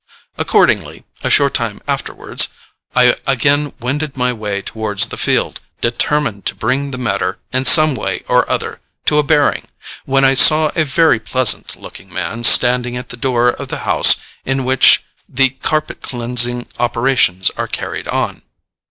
Accordingly, a short time afterwards, I again wended my way towards the field, determined to bring the matter in some way or other to a bearing, when I saw a very pleasant looking man standing at the door of the house in which the carpet cleansing operations are carried on.